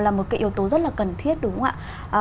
là một cái yếu tố rất là cần thiết đúng không ạ